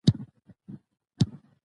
کندز سیند د افغانستان طبعي ثروت دی.